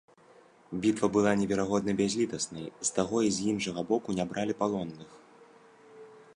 Бітва была неверагодна бязлітаснай, з таго і з іншага боку не бралі палонных.